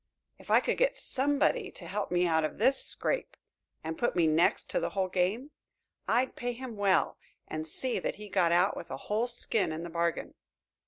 If I could get somebody to help me out of this scrape, and put me next to the whole game, I'd pay him well and see that he got out with a whole skin in the bargain."